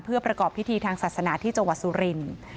เพื่อประกอบพิธีทางศาสนาที่จังหวัดสุรินทร์